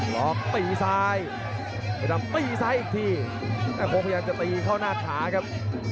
ร้องตีซ้ายตีซ้ายอีกทีพยายามจะตีเข้าหน้าขาครับ